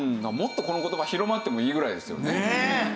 もっとこの言葉広まってもいいぐらいですよね。